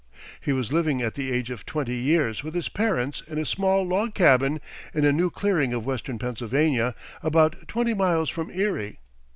He was living at the age of twenty years with his parents in a small log cabin in a new clearing of Western Pennsylvania, about twenty miles from Erie.